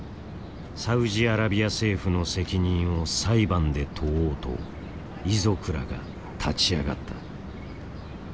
サウジアラビア政府の責任を裁判で問おうと遺族らが立ち上がった。